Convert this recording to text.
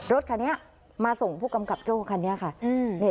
รถคันนี้มาส่งผู้กำกับโจ้คันนี้ค่ะ